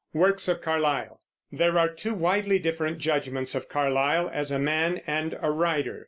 WORKS OF CARLYLE. There are two widely different judgments of Carlyle as a man and a writer.